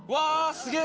すげえ！